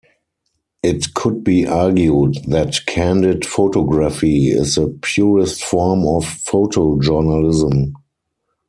It could be argued that candid photography is the purest form of photojournalism.